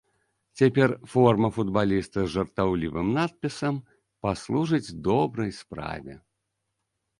Цяпер форма футбаліста з жартаўлівым надпісам паслужыць добрай справе.